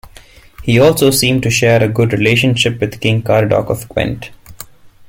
He also seemed to share a good relationship with King Caradoc of Gwent.